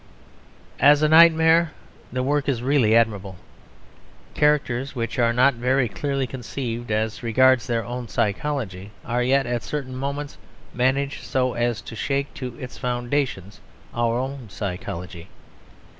As a nightmare, the work is really admirable. Characters which are not very clearly conceived as regards their own psychology are yet, at certain moments, managed so as to shake to its foundations our own psychology.